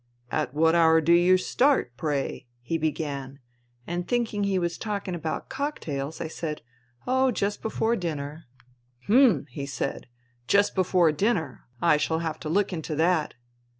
' At what hour do you start, pray ?' he began, and thinking he was talking about cocktails, I said, ' Oh, just before dinner.' ' Hm !' 144 FUTILITY he said. * Just before dinner. I shall have to look into that.'